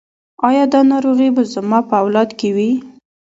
ایا دا ناروغي به زما په اولاد کې وي؟